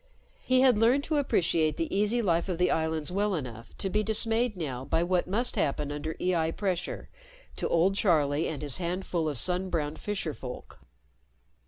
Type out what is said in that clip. He had learned to appreciate the easy life of the islands well enough to be dismayed now by what must happen under EI pressure to old Charlie and his handful of sun browned fisherfolk.